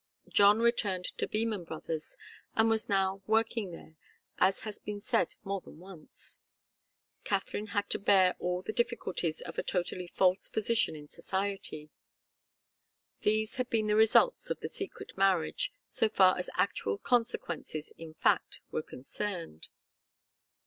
John returned to Beman Brothers, and was now working there, as has been said more than once. Katharine had to bear all the difficulties of a totally false position in society. These had been the results of the secret marriage, so far as actual consequences in fact were concerned.